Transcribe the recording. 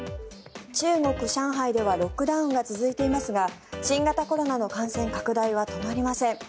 中国・上海ではロックダウンが続いていますが新型コロナの感染拡大は止まりません。